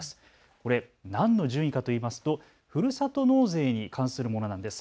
これ何の順位かといいますとふるさと納税に関するものなんです。